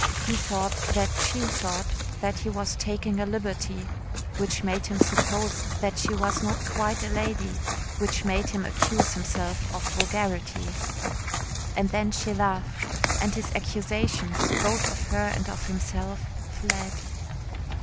He thought that she thought that he was taking a liberty, which made him suppose that she was not quite a lady, which made him accuse himself of vulgarity. And then she laughed, and his accusations, both of her and of himself, fled.